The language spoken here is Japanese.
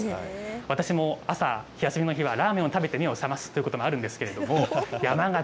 私も朝、休みの日はラーメンを食べて目を覚ますということもあるんですけれども、山形、